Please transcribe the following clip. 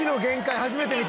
初めて見た。